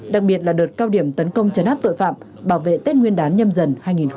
đặc biệt là đợt cao điểm tấn công chấn áp tội phạm bảo vệ tết nguyên đán nhâm dần hai nghìn hai mươi bốn